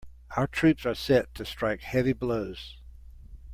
Our troops are set to strike heavy blows.